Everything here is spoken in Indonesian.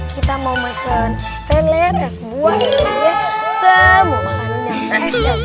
kita mau mesen steleres buat semuanya